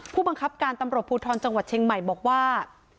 ผู้บังคับการตำรวจภูทรจังหวัดเชียงใหม่บอกว่า